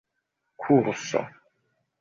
kurso